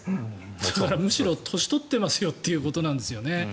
むしろ、年取ってますよということなんですね。